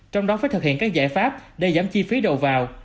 trong đó phải thực hiện các giải pháp để giảm chi phí đầu vào